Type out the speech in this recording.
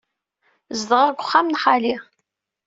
Zedɣeɣ deg uxxam n Xali.